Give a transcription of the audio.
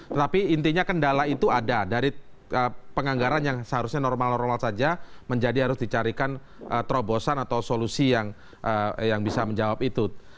tetapi intinya kendala itu ada dari penganggaran yang seharusnya normal normal saja menjadi harus dicarikan terobosan atau solusi yang bisa menjawab itu